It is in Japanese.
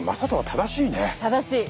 正しい！